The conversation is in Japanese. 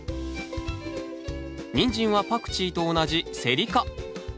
ニンジンはパクチーと同じセリ科。